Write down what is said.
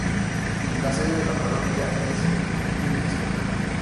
La sede de la parroquia es Livingston.